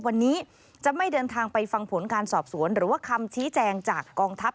วันนี้จะไม่เดินทางไปฟังผลการสอบสวนหรือว่าคำชี้แจงจากกองทัพ